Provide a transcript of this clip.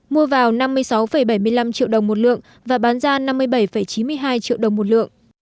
mua vào năm mươi sáu bảy mươi năm triệu đồng một lượng và bán ra năm mươi bảy chín mươi hai triệu đồng một lượng